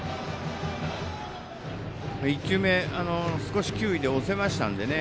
１球目、少し球威で押せましたんでね。